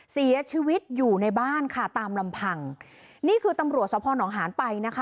เสียชีวิตอยู่ในบ้านค่ะตามลำพังนี่คือตำรวจสภหนองหานไปนะคะ